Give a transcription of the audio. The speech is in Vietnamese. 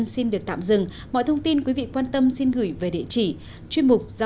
xin được cảm ơn ông đã tham gia